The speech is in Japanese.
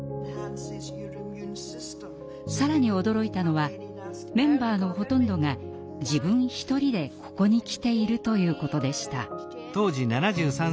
更に驚いたのはメンバーのほとんどが自分一人でここに来ているということでした。